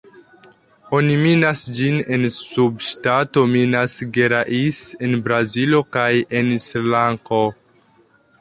Oni minas ĝin en subŝtato Minas Gerais en Brazilo kaj en Srilanko.